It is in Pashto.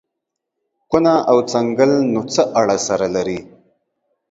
کونه او څنگل نو څه اړه سره لري.